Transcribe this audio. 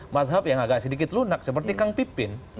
mazhab yang agak sedikit lunak seperti kang pipin